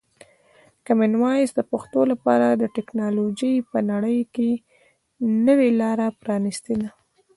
کامن وایس د پښتو لپاره د ټکنالوژۍ په نړۍ کې نوې لاره پرانیستې ده.